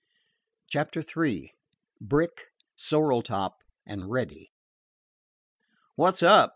CHAPTER III "BRICK," "SORREL TOP," AND "REDDY" "What 's up?"